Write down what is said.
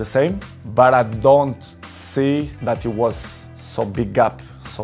tapi saya tidak melihatnya seperti hal besar